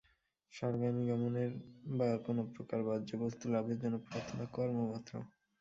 স্বর্গাদি গমনের বা কোন প্রকার বাহ্য বস্তু লাভের জন্য প্রার্থনা কর্মমাত্র।